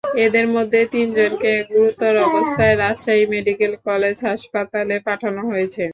এদের মধ্যে তিনজনকে গুরুতর অবস্থায় রাজশাহী মেডিকেল কলেজ হাসপাতালে পাঠানো হয়েছে।